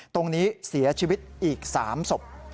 ตรงนี้เสียชีวิตอีก๓ศพ